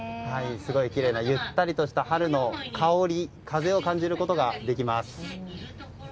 すごいきれいなゆったりとした春の香り風を感じることができます。